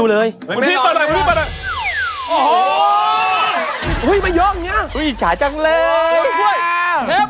เชฟแล้วเชฟ